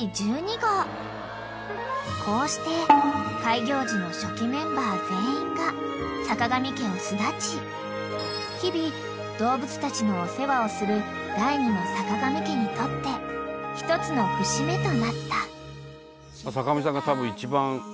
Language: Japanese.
［こうして開業時の初期メンバー全員がさかがみ家を巣立ち日々動物たちのお世話をする第２のさかがみ家にとってひとつの節目となった］